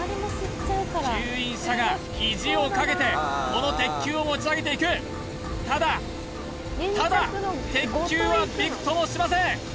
吸引車が意地をかけてこの鉄球を持ち上げていくただただ鉄球はビクともしません